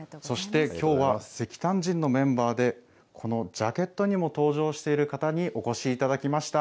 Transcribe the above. そして、きょうは石炭人のメンバーで、このジャケットにも登場している方にお越しいただきました。